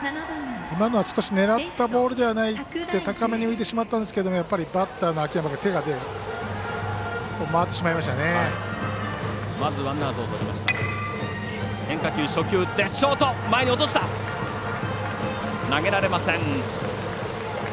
今のは少し狙ったボールではない高めに浮いてしまったんですけどやっぱりバッターの秋山君手が出て回ってしまいましたね。